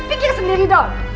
pikir sendiri dong